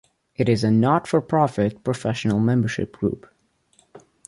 It is a not-for-profit professional membership group.